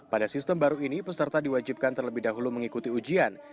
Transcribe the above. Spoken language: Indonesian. pada sistem baru ini peserta diwajibkan terlebih dahulu mengikuti ujian